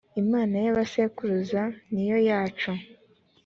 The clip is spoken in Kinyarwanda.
imana ya ba sekuruza ninayo yacu.